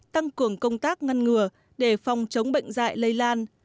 tăng cường công tác ngăn ngừa để phòng chống bệnh dạy lây lan